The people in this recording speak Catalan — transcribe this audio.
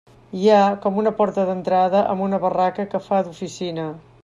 Hi ha com una porta d'entrada amb una barraca que fa d'oficina.